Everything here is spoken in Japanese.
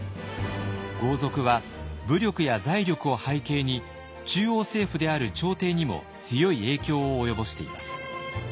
豪族は武力や財力を背景に中央政府である朝廷にも強い影響を及ぼしています。